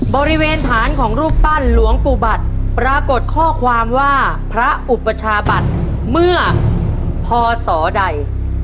บริเวณฐานของรูปปั้นหลวงปู่บัตรปรากฏข้อความว่าพระอุปชาบัติเมื่อพศใด